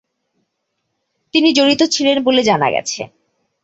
তিনি জড়িত ছিলেন বলে জানা গেছে।